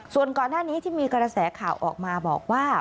ส่วนก่อนหน้านี้ที่มีกระแสข่าวออกมาบอกว่า